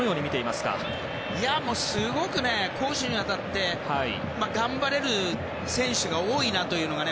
すごく攻守にわたって頑張れる選手が多いなというのがね。